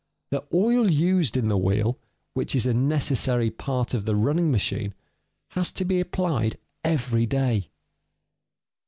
The oil used in the wheel, which is a necessary part of the running machine, has to be applied every day.